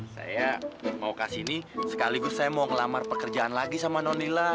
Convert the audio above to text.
saya mau kesini sekaligus saya mau ngelamar pekerjaan lagi sama donila